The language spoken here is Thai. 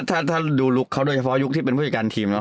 ถ้าดูลุคเขาโดยเฉพาะยุคที่เป็นผู้จัดการทีมเนอ